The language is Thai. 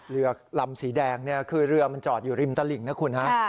เรือลำสีแดงเนี่ยคือเรือมันจอดอยู่ริมตลิ่งนะคุณฮะ